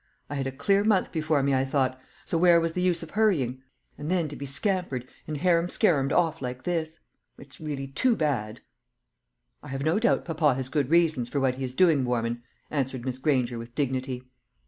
I had a clear month before me, I thought, so where was the use of hurrying; and then to be scampered and harum scarumed off like this! It's really too bad." "I have no doubt papa has good reasons for what he is doing, Warman," answered Miss Granger, with dignity.